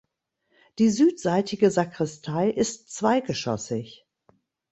Die südseitige Sakristei ist zweigeschoßig.